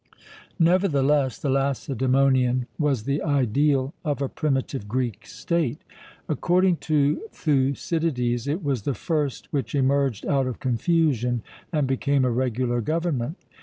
Nevertheless the Lacedaemonian was the ideal of a primitive Greek state. According to Thucydides it was the first which emerged out of confusion and became a regular government.